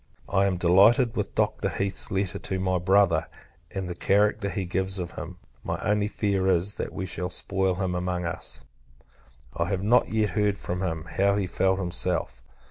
I am delighted with Dr. Heath's letter to my Brother, and the character he gives of him. My only fear is, that we shall spoil him among us. I have not yet heard from him, how he felt himself.